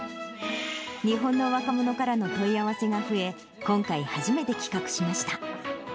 日本の若者からの問い合わせが増え、今回初めて企画しました。